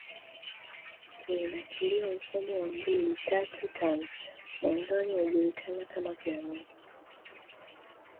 ulinakiliwa Mfumo wa mbili tatu tano mwanzoni ulijulikana kama Piramidi